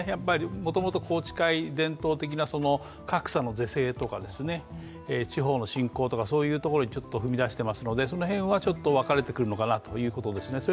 もともと宏池会、伝統的な格差の是正とか地方の振興というところにちょっと踏み出していますのでその辺はちょっと分かれてくるのかなというところですね。